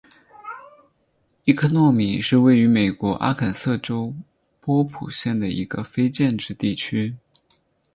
伊科诺米是位于美国阿肯色州波普县的一个非建制地区。